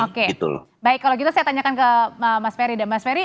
oke baik kalau gitu saya tanyakan ke mas ferry